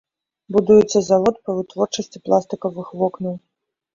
Будуецца завод па вытворчасці пластыкавых вокнаў.